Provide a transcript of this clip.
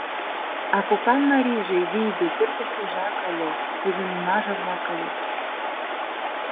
А кокан марийже Вийду пӧртыштыжак ыле, тудын унаже-влак ыльыч.